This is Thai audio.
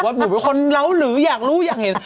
เหมือนเป็นคนเล้าหรืออยากรู้อยากเห็น